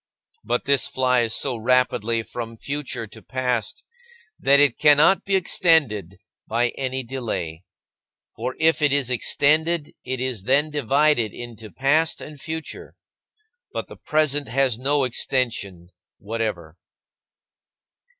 But this flies so rapidly from future to past that it cannot be extended by any delay. For if it is extended, it is then divided into past and future. But the present has no extension whatever.